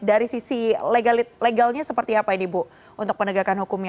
dari sisi legalnya seperti apa ini bu untuk penegakan hukumnya